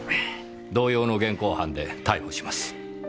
同様の現行犯で逮捕します。